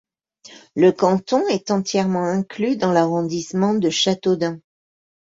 Le canton est entièrement inclus dans l'arrondissement de Châteaudun.